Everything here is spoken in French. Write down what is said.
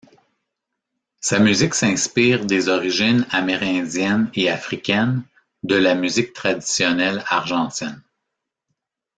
Sa musique s'inspire des origines amérindiennes et africaines de la musique traditionnelle argentine.